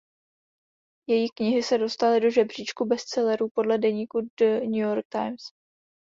Její knihy se dostaly do žebříčku bestsellerů podle deníku "The New York Times".